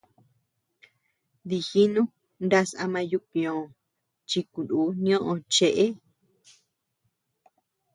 Dijínu ndás ama yukñò chi kunù nioʼö cheʼe.